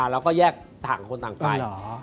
แล้วก็แยกต่างคนต่างไป